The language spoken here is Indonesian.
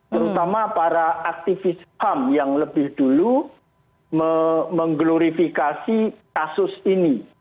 terutama para aktivis ham yang lebih dulu mengglorifikasi kasus ini